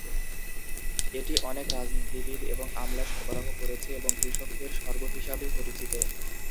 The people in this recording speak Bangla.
এটি অনেক রাজনীতিবিদ এবং আমলা সরবরাহ করেছে এবং কৃষকদের স্বর্গ হিসাবে পরিচিত।